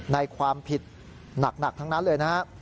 ในความผิดหนักทั้งนั้นเลยนะครับ